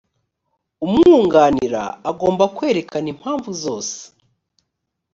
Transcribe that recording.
umwunganira agomba kwerekana impamvu zose